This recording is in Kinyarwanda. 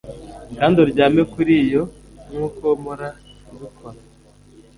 Kandi uryame kuri yo nkuko mpora mbikora